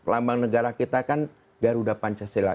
lambang negara kita kan garuda pancasila